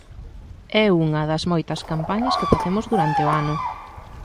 É unha das moitas campañas que facemos durante o ano.